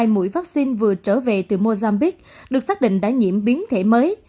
mỗi vắc xin vừa trở về từ mozambique được xác định đã nhiễm biến thể mới